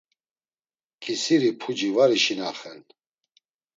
Ǩisiri puci var işinaxen.